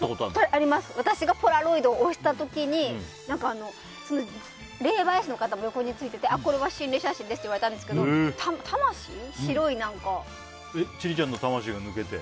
私がポラロイドを押した時に霊媒師の方も横についててこれは心霊写真ですって言われたんですけど千里ちゃんの魂が抜けて？